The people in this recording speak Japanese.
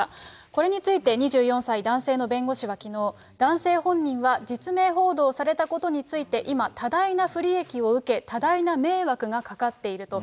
これについて、２４歳男性の弁護士はきのう、男性本人は実名報道されたことについて、今、多大な不利益を受け、多大な迷惑がかかっていると。